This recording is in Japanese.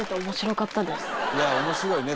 「いや面白いね